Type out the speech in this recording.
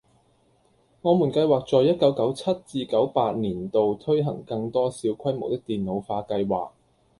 我們計劃在一九九七至九八年度推行更多小規模的電腦化計劃